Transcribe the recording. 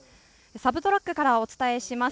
サブトラックからお伝えします。